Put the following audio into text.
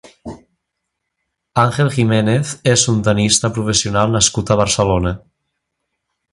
Ángel Giménez és un tennista professional nascut a Barcelona.